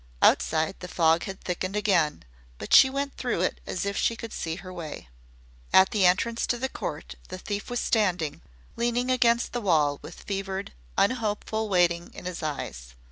Outside the fog had thickened again, but she went through it as if she could see her way. At the entrance to the court the thief was standing, leaning against the wall with fevered, unhopeful waiting in his eyes.